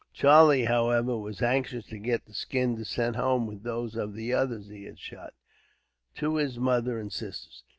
Charlie, however, was anxious to get the skin to send home, with those of the others he had shot, to his mother and sisters.